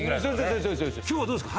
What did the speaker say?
今日はどうですか？